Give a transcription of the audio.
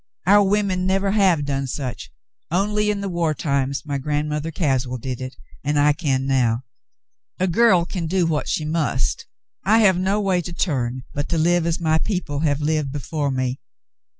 Our women never have done such. Only in the war times my Grandmother Caswell did it, and I can now. A girl can do what she must. I have no way to turn but to live as my people have lived before me.